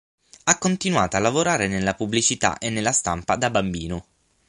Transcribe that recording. Ha continuato a lavorare nella pubblicità e nella stampa da bambino.